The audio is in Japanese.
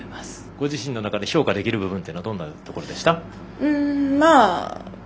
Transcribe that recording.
ご自身の中で評価できるのはどんなところでしたか。